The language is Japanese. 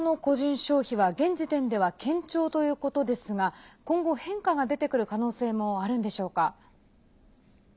消費は現時点では堅調ということですが今後、変化が出てくる可能性もあるんでしょうか？